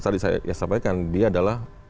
tadi saya sampaikan dia adalah